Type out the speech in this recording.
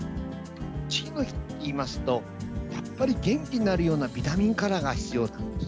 父の日といいますと元気になるようなビタミンカラーが必要です。